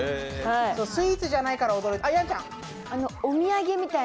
スイーツじゃないから驚いた。